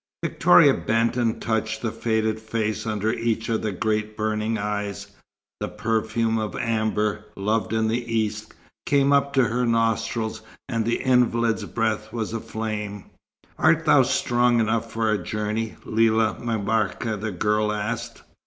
Victoria bent and touched the faded face under each of the great burning eyes. The perfume of ambre, loved in the East, came up to her nostrils, and the invalid's breath was aflame. "Art thou strong enough for a journey, Lella M'Barka?" the girl asked.